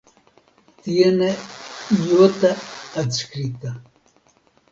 Tiene iota adscrita.